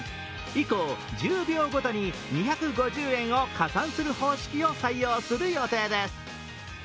以降１０秒ごとに２５０円を加算する方式を採用する予定です。